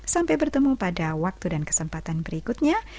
sampai bertemu pada waktu dan kesempatan berikutnya